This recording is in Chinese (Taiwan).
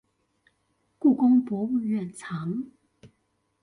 故宮博物院藏